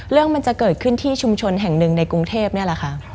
เรื่องมันจะเกิดขึ้นที่ชุมชนแห่งหนึ่งในกรุงเทพนี่แหละค่ะ